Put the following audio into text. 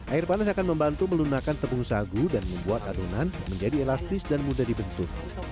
air panas akan membantu melunakan tepung sagu dan membuat adonan menjadi elastis dan mudah dibentuk